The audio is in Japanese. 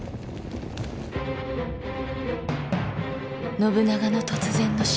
信長の突然の死。